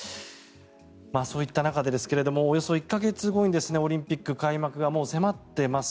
そういった中でおよそ１か月後にオリンピック開幕が迫っています。